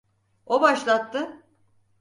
O başlattı.